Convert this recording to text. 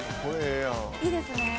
いいですね。